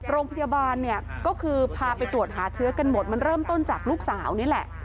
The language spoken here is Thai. โรงพยาบาลเนี่ยก็คือพาไปตรวจหาเชื้อกันหมดมันเริ่มต้นจากลูกสาวนี่แหละ